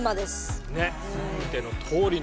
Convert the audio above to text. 見てのとおりの。